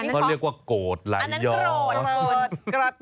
ก็เรียกว่ากรดไหลย้อนอันนั้นกรด